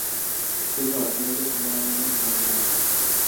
শুধু অর্থনৈতিক উন্নয়ন মানেই উন্নয়ন নয়।